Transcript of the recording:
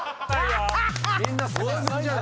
みんな攻め過ぎじゃない？